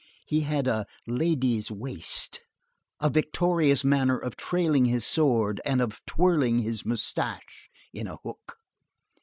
He had "a lady's waist," a victorious manner of trailing his sword and of twirling his moustache in a hook.